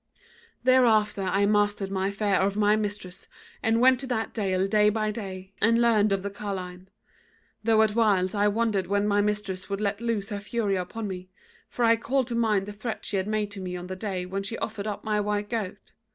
"Thereafter I mastered my fear of my mistress and went to that dale day by day, and learned of the carline; though at whiles I wondered when my mistress would let loose her fury upon me; for I called to mind the threat she had made to me on the day when she offered up my white goat.